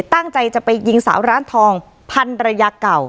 ตั้งใจจะไปยิงสาวร้านทองพันรยาเก่า